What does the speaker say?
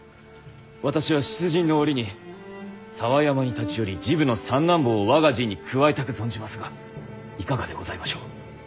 私は出陣の折に佐和山に立ち寄り治部の三男坊を我が陣に加えたく存じますがいかがでございましょう？